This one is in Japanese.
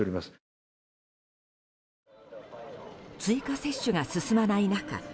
追加接種が進まない中